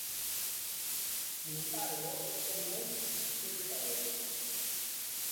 Sin embargo, esto no es suficiente para detenerlo.